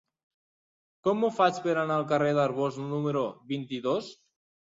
Com ho faig per anar al carrer d'Arbós número vint-i-dos?